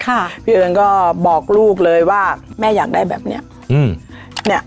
ค่ะพี่เอิญก็บอกลูกเลยว่าแม่อยากได้แบบเนี้ยอืมเนี้ย